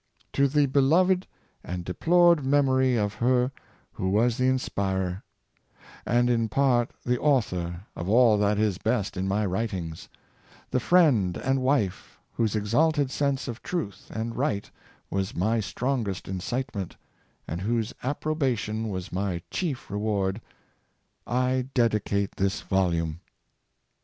*^ To the beloved and deplored memory of her who was the inspirer, and in part the author, of all that is best in my writings — the friend and wife, whose exalted sense of truth and right was my strongest incitement, and whose approba tion was my chief reward, I dedicate this volume."